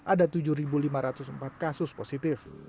ada tujuh lima ratus empat kasus positif